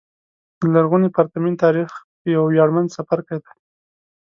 د لرغوني پرتمین تاریخ یو ویاړمن څپرکی دی.